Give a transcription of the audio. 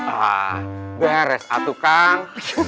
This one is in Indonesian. ah beres atukang